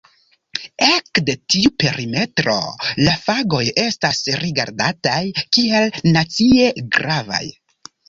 Ekde tiu perimetro la fagoj estas rigardataj kiel "nacie gravaj".